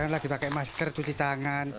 lagi pakai masker cuci tangan